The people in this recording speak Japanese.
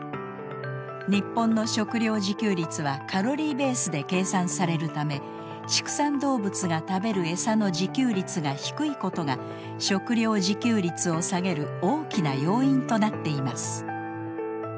日本の食料自給率はカロリーベースで計算されるため畜産動物が食べるエサの自給率が低いことが食料自給率を下げる大きな要因となっています。